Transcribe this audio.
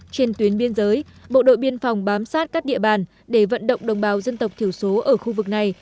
trên tuyến biên giới bộ đội biên phòng bám sát các địa bàn để vận động đồng bào dân tộc thiểu số ở khu vực này